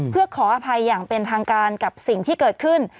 เพื่อขออภัยอย่างเป็นทางการกับสิ่งที่เกิดขึ้น